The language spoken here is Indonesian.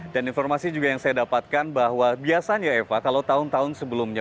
dan informasi juga yang saya dapatkan bahwa biasanya eva kalau tahun tahun sebelumnya